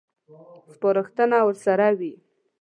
سپارښتنه ورسره وي.